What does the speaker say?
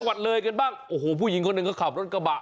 วัดเลยกันบ้างโอ้โหผู้หญิงคนหนึ่งก็ขับรถกระบะ